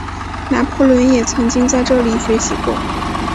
拿破仑也曾经在这里学习过。